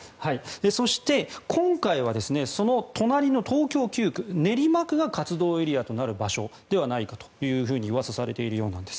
そして、今回はその隣の東京９区、練馬区が活動エリアとなる場所ではないかとうわさされているようなんです。